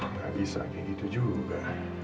nggak bisa kayak gitu juga